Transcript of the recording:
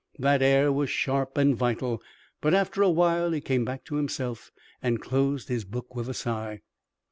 That air was sharp and vital, but, after a while, he came back to himself and closed his book with a sigh.